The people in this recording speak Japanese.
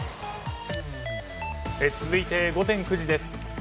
続いて午前９時です。